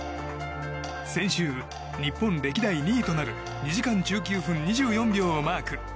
先週、日本歴代２位となる２時間１９分２４秒をマーク。